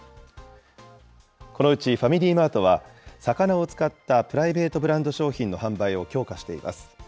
このうちファミリーマートは、魚を使ったプライベートブランド商品の販売を強化しています。